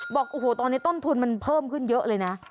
บอกโอ้โหตอนนี้ต้นทุนมันเพิ่มขึ้นเยอะเลยนะ